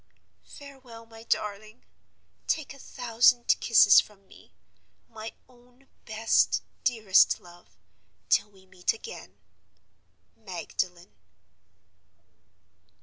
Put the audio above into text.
Farewell, my darling! Take a thousand kisses from me, my own best, dearest love, till we meet again. "MAGDALEN."